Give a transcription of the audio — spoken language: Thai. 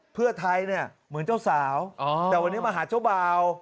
เพื่อไทยเหมือนเจ้าสาวแต่วันนี้มหาเจ้าเบา